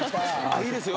「いいですよ。